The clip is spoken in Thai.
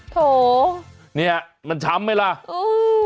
โถเนี่ยมันช้ำไหมล่ะเออ